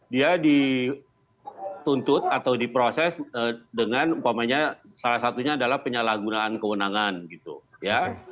dia dituntut atau diproses dengan umpamanya salah satunya adalah penyalahgunaan kewenangan gitu ya